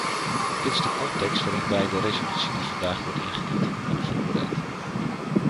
Dit is de context waarin wij de resolutie die vandaag wordt ingediend, hebben voorbereid.